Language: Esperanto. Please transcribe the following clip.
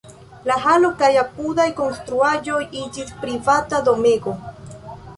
La halo kaj apudaj konstruaĵoj iĝis privata domego.